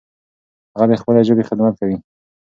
هغه د خپلې ژبې خدمت کوي.